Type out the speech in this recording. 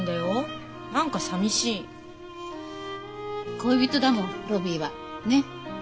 恋人だもんロビーは。ね。